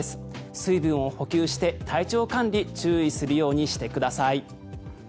水分を補給して、体調管理に注意するようにしてください。